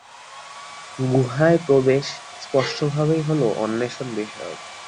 গুহায় প্রবেশ স্পষ্টভাবেই হল অন্বেষণ বিষয়ক।